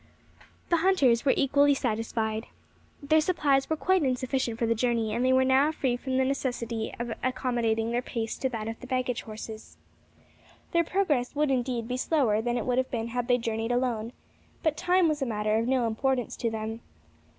The hunters were equally satisfied. Their supplies were quite insufficient for the journey, and they were now free from the necessity of accommodating their pace to that of the baggage horses. Their progress would, indeed, be slower than it would have been had they journeyed alone, but time was a matter of no importance to them.